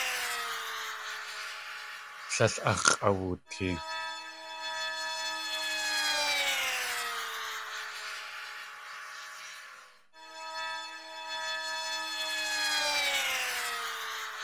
Tlél ax̲ʼawutee.